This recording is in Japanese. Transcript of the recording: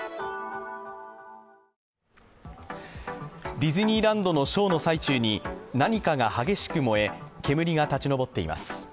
ディズニーランドのショーの最中に何かが激しく燃え煙が立ち上っています。